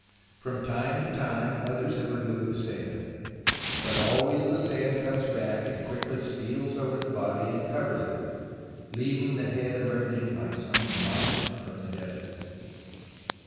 From time to time others have removed the sand, but always the sand comes back and quickly steals over the body and covers it, leaving the head emerging like some monster of the desert.